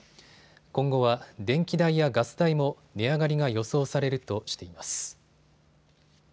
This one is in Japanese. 今後は電気代やガス代も値上がりが予想されるとしています。